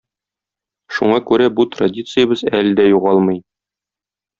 Шуңа күрә бу традициябез әле дә югалмый.